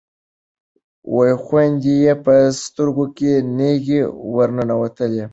خویندې یې په سترګو کې نیغې ورننوتلې.